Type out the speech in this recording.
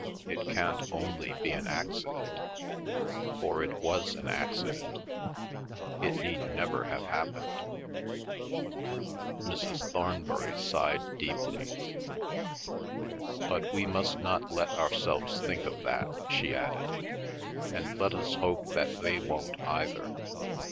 "It can't only be an accident. For it was an accident—it need never have happened." Mrs. Thornbury sighed deeply. "But we must not let ourselves think of that," she added, "and let us hope that they don't either.